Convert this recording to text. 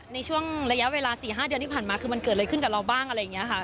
ในช่วงระยะเวลา๔๕เดือนที่ผ่านมาคือมันเกิดอะไรขึ้นกับเราบ้างอะไรอย่างนี้ค่ะ